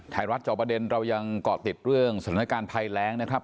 จอประเด็นเรายังเกาะติดเรื่องสถานการณ์ภัยแรงนะครับ